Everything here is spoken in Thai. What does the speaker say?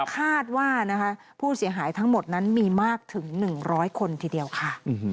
คาดว่านะคะผู้เสียหายทั้งหมดนั้นมีมากถึง๑๐๐คนทีเดียวค่ะ